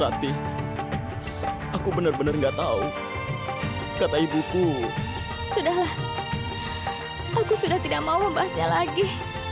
rati aku bener bener nggak tahu kata ibuku sudah aku sudah tidak mau membahasnya lagi